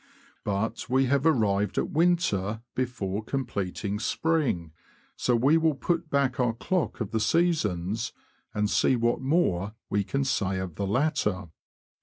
But we have arrived at winter before completing spring, so we will put back our clock of the seasons, and see what more we can say of the latter.